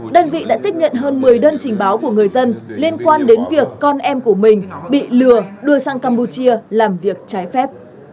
đơn vị đã tiếp nhận hơn một mươi đơn trình báo của người dân liên quan đến việc con em của mình bị lừa đưa sang campuchia làm việc trái phép